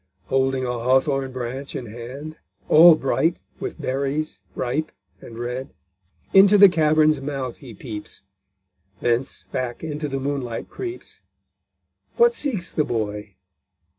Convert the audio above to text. Holding a hawthorn branch in hand, All bright with berries ripe and red; Into the cavern's mouth he peeps Thence back into the moonlight creeps; What seeks the boy?